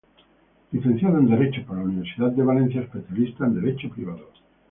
Licenciado en Derecho por la Universidad de Valencia, especialista en derecho privado.